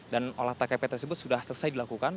dan oleh tkp tersebut sudah selesai dilakukan